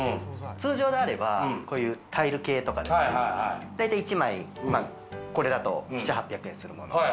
通常であれば、こういうタイル系とか大体一枚これだと７００８００円するの。